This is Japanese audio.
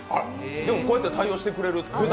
でも、こうやって対応してくれる。